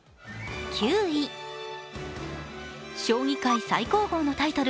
将棋界最高峰のタイトル